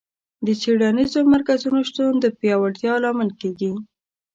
د څېړنیزو مرکزونو شتون د پیاوړتیا لامل کیږي.